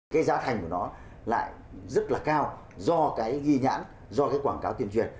cái giá thành của nó lại rất là cao do cái ghi nhãn do cái quảng cáo tuyên truyền